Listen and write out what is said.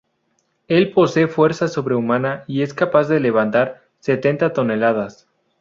Él posee fuerza sobrehumana y es capaz de levantar setenta toneladas.